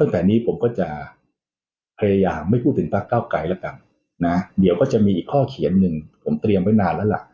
ตั้งแต่นี้ผมก็จะพยายามไม่พูดถึงพักเก้าไกลแล้วกันนะเดี๋ยวก็จะมีอีกข้อเขียนหนึ่งผมเตรียมไว้นานแล้วล่ะ